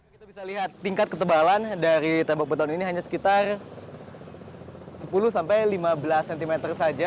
kita bisa lihat tingkat ketebalan dari tembok beton ini hanya sekitar sepuluh sampai lima belas cm saja